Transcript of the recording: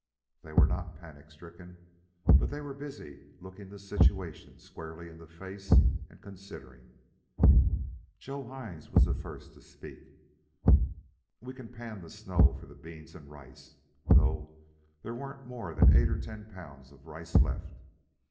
They were not panic stricken, but they were busy looking the situation squarely in the face and considering. Joe Hines was the first to speak. "We can pan the snow for the beans and rice... though there wa'n't more'n eight or ten pounds of rice left."